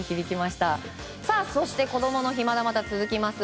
そして、こどもの日まだまだ続きます。